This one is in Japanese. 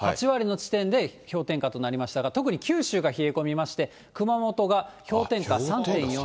８割の地点で氷点下となりましたが、特に九州が冷え込みまして、熊本が氷点下３．４度。